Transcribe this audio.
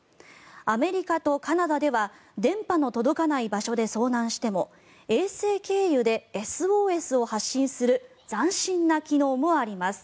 アメリカとカナダでは電波の届かない場所で遭難しても衛星経由でＳＯＳを発信する斬新な機能もあります。